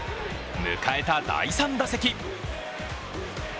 迎えた第３打席。